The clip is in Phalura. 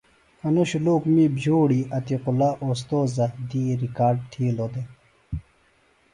انوۡ شُلوک می بھئیوڑی عتیق اللہ اوستوذہ دی ریکارڈ تھیلوۡ دےۡ